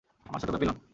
আমার ছোট্ট প্যাপিলন!